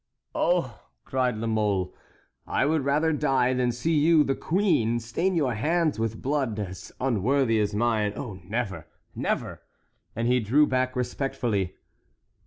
"Oh!" cried La Mole, "I would rather die than see you, the queen, stain your hands with blood as unworthy as mine. Oh, never, never!" And he drew back respectfully.